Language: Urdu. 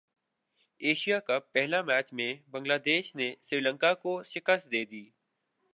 ایشیا کپ پہلے میچ میں بنگلہ دیش نے سری لنکا کو شکست دیدی